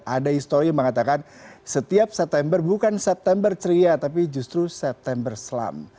ada histori yang mengatakan setiap september bukan september ceria tapi justru september selam